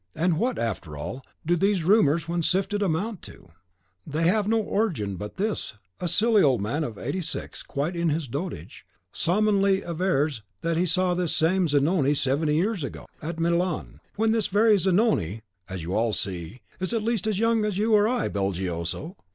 And what, after all, do these rumours, when sifted, amount to? They have no origin but this, a silly old man of eighty six, quite in his dotage, solemnly avers that he saw this same Zanoni seventy years ago (he himself, the narrator, then a mere boy) at Milan; when this very Zanoni, as you all see, is at least as young as you or I, Belgioso."